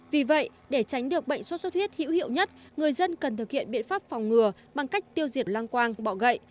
vì vậy để tránh được bệnh sốt xuất huyết hữu hiệu nhất người dân cần thực hiện biện pháp phòng ngừa bằng cách tiêu diệt lăng quang bỏ gậy